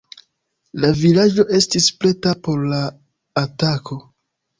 La vilaĝo estis preta por la atako.